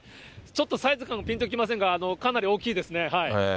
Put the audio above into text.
ちょっとサイズ感、聞いておりませんが、かなり大きいですね。